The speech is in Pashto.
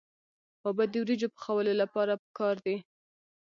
اوبه د وریجو پخولو لپاره پکار دي.